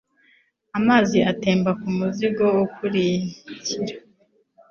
amazi atemba kumuzingo ukurikira